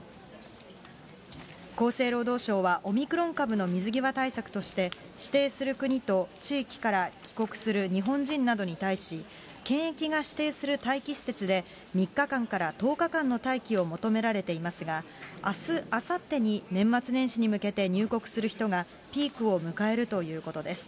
厚生労働省はオミクロン株の水際対策として、指定する国と地域から帰国する日本人などに対し、検疫が指定する待機施設で、３日間から１０日間の待機を求められていますが、あす、あさってに年末年始に向けて入国する人がピークを迎えるということです。